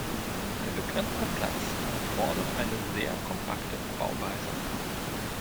Der begrenzte Platz erfordert eine sehr kompakte Bauweise.